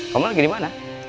kamu lagi dimana